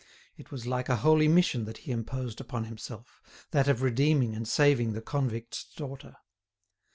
It was like a holy mission that he imposed upon himself, that of redeeming and saving the convict's daughter.